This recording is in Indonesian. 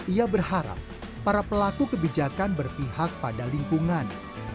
ia berharap para pelaku kebijakan berpihak pada lingkungan